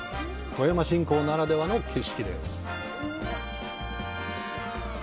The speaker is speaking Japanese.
富山新港ならではの景色です。